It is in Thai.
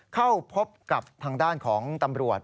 เข้าพบกับทางด้านของตำรวจ